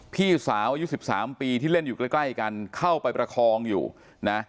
พี่สาวอายุ๑๓ปีที่เล่นอยู่ใกล้กันเข้าไปประคองอยู่นะ